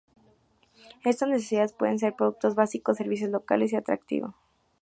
Estas necesidades pueden ser productos básicos, servicios, locales y atractivo.